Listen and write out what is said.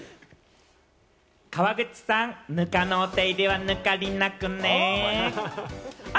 川口さん、ぬかのお手入れは、ぬかりなくね。